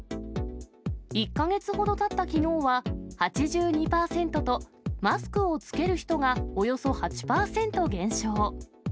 １か月ほどたったきのうは、８２％と、マスクを着ける人がおよそ８％減少。